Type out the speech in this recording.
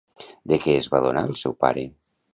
De què es va adonar el seu pare?